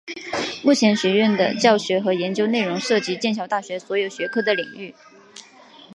目前学院的教学和研究内容涉及剑桥大学所有学科的领域。